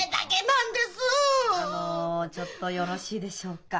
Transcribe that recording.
あのちょっとよろしいでしょうか？